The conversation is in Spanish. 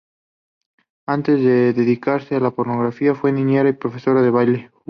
Antes de dedicarse a la pornografía fue niñera y profesora de baile.